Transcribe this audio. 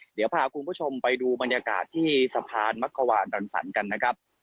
เดี๋ยวพาคุณผู้ชมไปดูบรรยากาศที่สะพานมักขวานรังสรรค์กันนะครับ